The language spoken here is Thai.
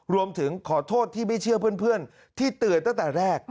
รวมถึงขอโทษที่ไม่เชื่อเพื่อนที่เตือนตั้งแต่แรก